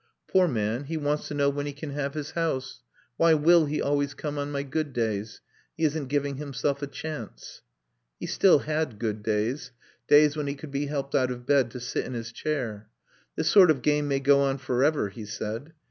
"Poor man, he wants to know when he can have his house. Why will he always come on my good days? He isn't giving himself a chance." He still had good days, days when he could be helped out of bed to sit in his chair. "This sort of game may go on for ever," he said.